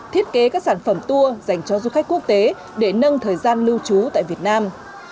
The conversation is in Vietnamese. thiết kế các sản phẩm tour dành cho du khách quốc tế để nâng thời gian lưu trú tại việt nam